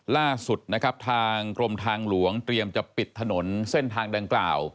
ล่าสุดนะครับทางกรมทางหลวงเตรียมจะปิดถนนเส้นทางดังกล่าว